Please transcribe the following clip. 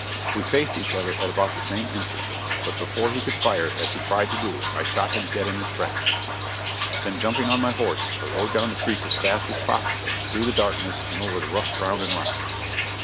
We faced each other at about the same instant, but before he could fire, as he tried to do, I shot him dead in his tracks. Then jumping on my horse, I rode down the creek as fast as possible, through the darkness and over the rough ground and rocks.